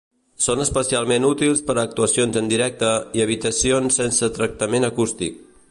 Són especialment útils per a actuacions en directe i habitacions sense tractament acústic.